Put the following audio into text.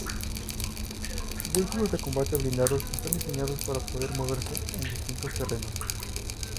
Los vehículos de combate blindados están diseñados para poder moverse en distintos terrenos.